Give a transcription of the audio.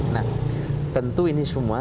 nah tentu ini semua